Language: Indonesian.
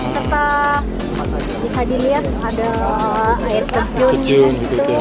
serta bisa dilihat ada air stasiun